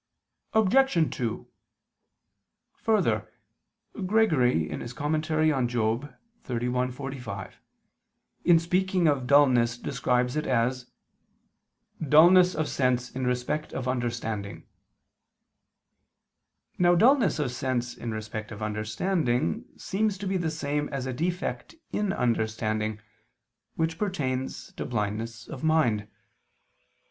Obj. 2: Further, Gregory (Moral. xxxi, 45) in speaking of dulness describes it as "dulness of sense in respect of understanding." Now dulness of sense in respect of understanding seems to be the same as a defect in understanding, which pertains to blindness of mind.